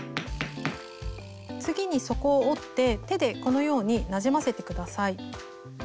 次に底を折って手でこのようになじませて下さい。